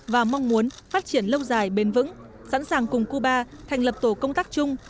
và mong muốn phát triển lâu dài bền vững sẵn sàng cùng cuba thành lập tổ công tác chung